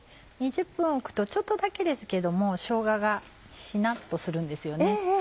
２０分置くとちょっとだけですけどもしょうががしなっとするんですよね。